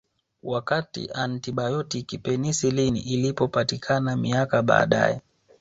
Wakati antibaotiki penicillin ilipopatikana miaka baadae